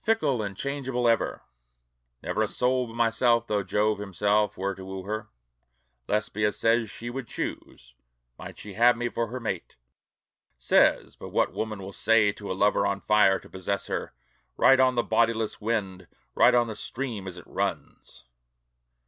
"FICKLE AND CHANGEABLE EVER" Never a soul but myself, though Jove himself were to woo her, Lesbia says she would choose, might she have me for her mate. Says but what woman will say to a lover on fire to possess her, Write on the bodiless wind, write on the stream as it runs.